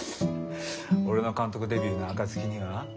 俺の監督デビューの暁には。